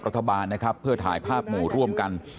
รัฐบาลนะครับเพื่อถ่ายภาพหมู่ร่วมกัน